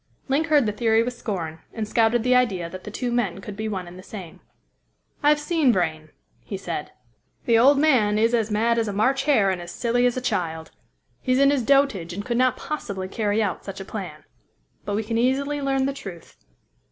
Link heard the theory with scorn, and scouted the idea that the two men could be one and the same. "I've seen Vrain," said he. "The old man is as mad as a March hare and as silly as a child. He's in his dotage, and could not possibly carry out such a plan. But we can easily learn the truth."